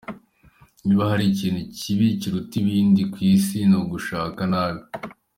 Niba hariho ikintu kibi kiruta ibindi ku isi ni ugushaka nabi.